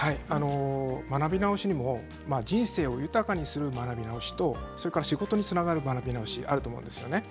学び直しにも人生を豊かにする学び直しと仕事につながる学び直しがあると思うんですね。